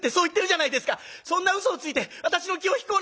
そんなうそをついて私の気を引こうなんて」。